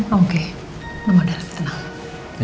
oke gue mau darah tenang